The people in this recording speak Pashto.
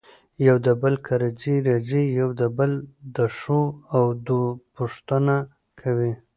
يو له بل کره ځي راځي يو د بل دښو او دو پوښنته کوي.